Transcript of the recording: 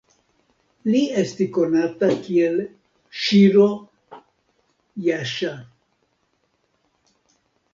Li esti konata kiel Ŝiro-Jaŝa.